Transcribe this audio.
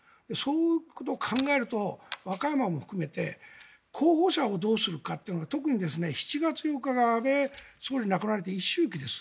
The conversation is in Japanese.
それも考えると和歌山も含めて候補者をどうするかってのが特に７月８日が安倍元総理が亡くなられて一周忌です。